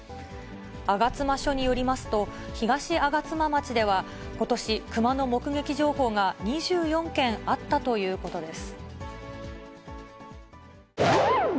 吾妻署によりますと、東吾妻町ではことし、クマの目撃情報が２４件あったということです。